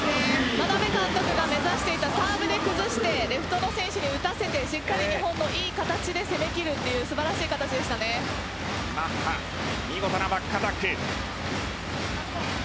眞鍋監督が目指していたサーブで崩してレフトの選手に打たせて、しっかり日本のいい形で攻め切るというマッハ、見事なバックアタック。